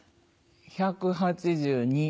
１８２。